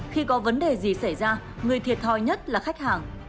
khi có vấn đề gì xảy ra người thiệt thòi nhất là khách hàng